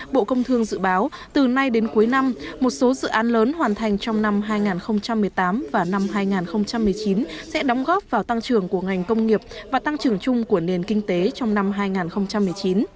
bộ công thương dự báo từ nay đến cuối năm một số dự án lớn hoàn thành trong năm hai nghìn một mươi tám và năm hai nghìn một mươi chín sẽ đóng góp vào tăng trưởng của ngành công nghiệp và tăng trưởng chung của nền kinh tế trong năm hai nghìn một mươi chín